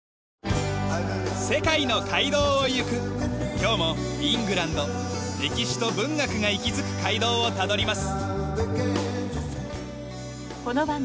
今日もイングランド歴史と文学が息づく街道をたどります。